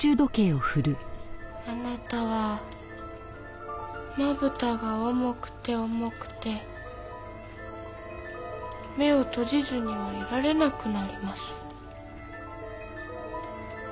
あなたはまぶたが重くて重くて目を閉じずにはいられなくなります。